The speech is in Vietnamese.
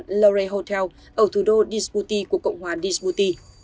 array hotel ở thủ đô disputi của cộng hòa disputi